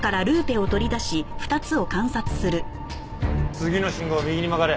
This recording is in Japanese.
次の信号を右に曲がれ。